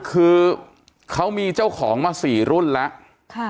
คือเขามีเจ้าของมา๔รุ่นแล้ว